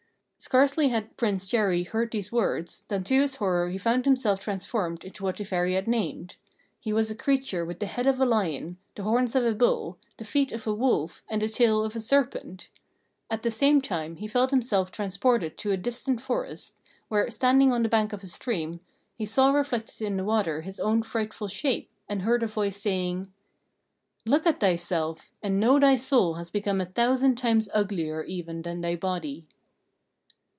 Scarcely had Prince Chéri heard these words, than to his horror he found himself transformed into what the Fairy had named. He was a creature with the head of a lion, the horns of a bull, the feet of a wolf, and the tail of a serpent. At the same time he felt himself transported to a distant forest, where, standing on the bank of a stream, he saw reflected in the water his own frightful shape, and heard a voice saying: "Look at thyself, and know thy soul has become a thousand times uglier even than thy body."